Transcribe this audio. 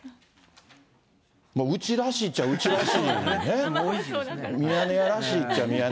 うちらしいっちゃうちらしいね。